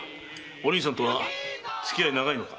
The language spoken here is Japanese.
お凛さんとは付き合いは長いのか？